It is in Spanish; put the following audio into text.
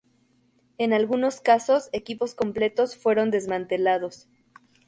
En algunos casos equipos completos fueron desmantelados.